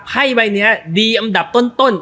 ไพ่ใบนี้ดีอันดับต้น